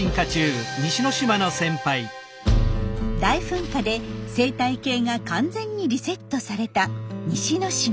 大噴火で生態系が完全にリセットされた西之島。